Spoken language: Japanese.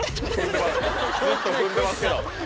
ずっと踏んでますよ